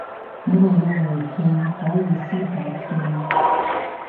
你哋要互片可以私下片